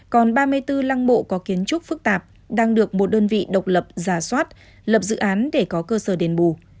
còn ba mươi bốn lăng mộ có kiến trúc phức tạp đang được một đơn vị độc lập giả soát lập dự án để có cơ sở đền bù